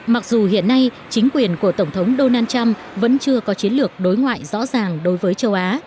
mặc dù hiện nay chính quyền của tổng thống donald trump vẫn chưa có chiến lược đối ngoại rõ ràng đối với châu á